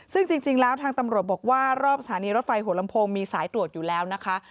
ซึ่งจริงแล้วทางตำรวจบอกว่ารอบสถานีรถไฟหัวลำโพงมีสายตรวจอยู่แล้วนะคะ